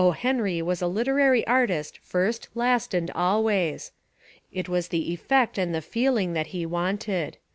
Henry was a literary artist first, last and always. It was the effect and the feel ing that he wanted.